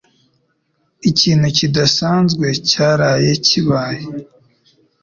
Ikintu kidasanzwe cyaraye kibaye.